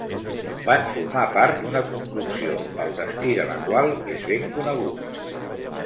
Van formar part d'una conducció el destí de la qual és ben conegut.